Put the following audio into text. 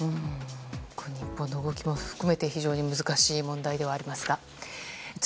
この動きも含めて非常に難しい問題ではあります。